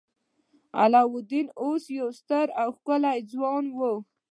علاوالدین اوس یو ستر او ښکلی ځوان و.